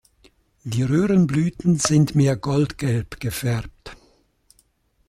Die Röhrenblüten sind mehr goldgelb gefärbt.